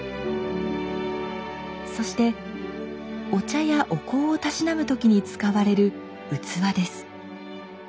そしてお茶やお香をたしなむ時に使われる器です。